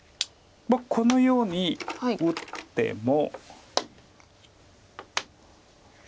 このように打っても。